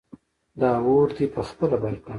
دا اور دې په خپله بل کړ!